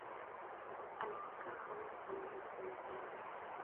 الاسکا خلیج بل لوی خلیج دی.